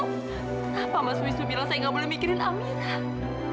kenapa mas wisnu bilang saya gak boleh mikirin amira